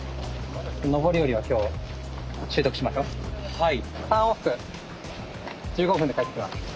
はい。